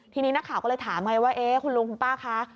ทีนี้นักข่าวก็เลยถามไงว่าเอ๊ะคุณลุงคุณป้าคะ